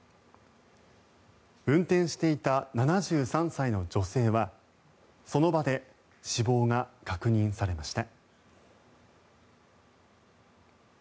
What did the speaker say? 運転していた７３歳の女性はその場で死亡が確認されました。